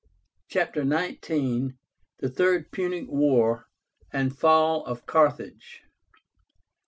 CHAPTER XIX. THE THIRD PUNIC WAR, AND FALL OF CARTHAGE.